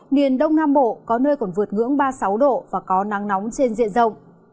miền đông nam bộ có nơi còn vượt ngưỡng ba mươi sáu độ và có nắng nóng trên diện rộng